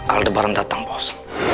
aldebaran datang bos